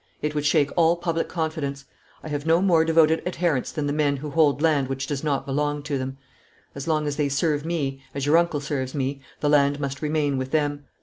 It would shake all public confidence. I have no more devoted adherents than the men who hold land which does not belong to them. As long as they serve me, as your uncle serves me, the land must remain with them.